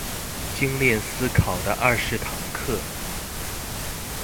精鍊思考的二十堂課